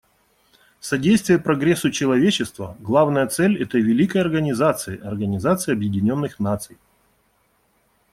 Содействие прогрессу человечества — главная цель этой великой организации, Организации Объединенных Наций.